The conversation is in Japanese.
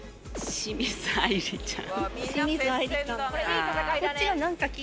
清水あいりちゃん。